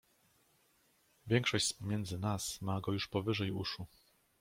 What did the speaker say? "Większość z pomiędzy nas ma go już powyżej uszu."